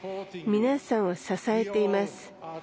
皆さんを支えています。